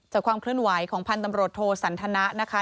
จากความคลื่นไหวของพันธุ์ตำรวจโทรสันทนา